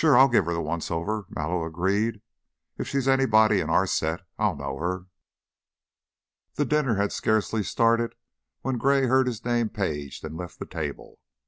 I'll give her the once over," Mallow agreed. "If she's anybody in our set, I'll know her." The dinner had scarcely started when Gray heard his name paged and left the table.